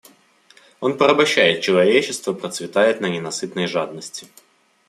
Он порабощает человечество, процветает на ненасытной жадности.